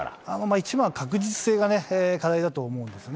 一番は確実性が課題だと思うんですね。